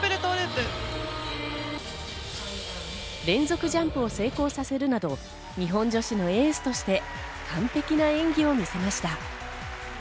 連続ジャンプを成功させるなど、日本女子のエースとして完璧な演技を見せました。